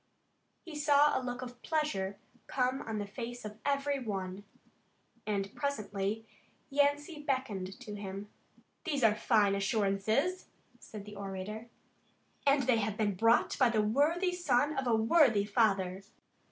He saw a look of pleasure come on the face of every one, and presently Yancey beckoned to him. "These are fine assurances," said the orator, "and they have been brought by the worthy son of a worthy father.